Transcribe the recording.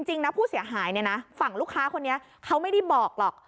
จริงนะภูตย์เสียหายฝั่งลูกค้าคนนี้เขาไม่ได้บอกหรอก